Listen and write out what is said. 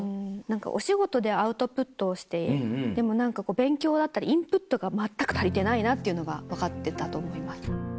お仕事でアウトプットをしてでも何か勉強だったりインプットが全く足りてないなっていうのが分かってたと思います。